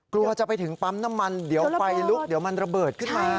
กลัวจะไปถึงปั๊มน้ำมันเดี๋ยวไฟลุกเดี๋ยวมันระเบิดขึ้นมา